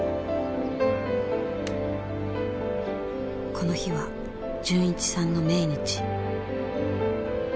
この日は循一さんの命日。